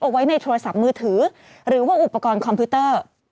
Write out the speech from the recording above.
เอาไว้ในโทรศัพท์มือถือหรือว่าอุปกรณ์คอมพิวเตอร์